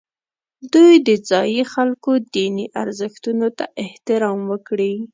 دوی د ځایي خلکو دیني ارزښتونو ته احترام وکړي.